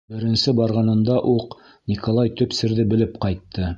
Беренсе барғанында уҡ Николай төп серҙе белеп ҡайтты.